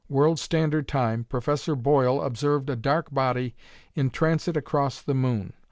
World Standard Time, Professor Boyle observed a dark body in transit across the moon.